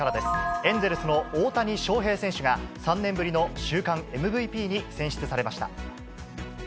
エンゼルスの大谷翔平選手が、３年ぶりの週間ＭＶＰに選出されました。